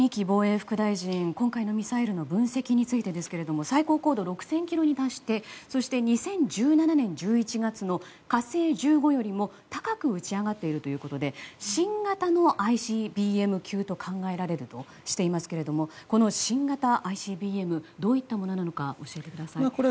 防衛副大臣は今回のミサイルの分析について最高高度６０００ｋｍに達してそして２０１７年１１月の「火星１５」よりも高く撃ち上がっているということで新型のＩＣＢＭ級だと考えられるとしていますがこの新型ＩＣＢＭどういったものなのか教えてください。